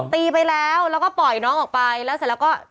ตีไปแล้วแล้วก็ปล่อยน้องออกไปแล้วเสร็จแล้วก็